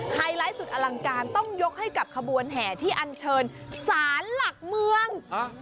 ไฮไลท์สุดอลังการต้องยกให้กับขบวนแห่ที่อันเชิญสารหลักเมือง